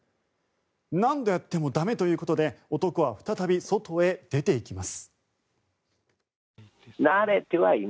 何度やっても駄目ということで男は再び外へ出ていきます。